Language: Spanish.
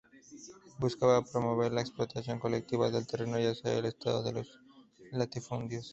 Buscaba promover la explotación colectiva del terreno, y hacer del estado los latifundios.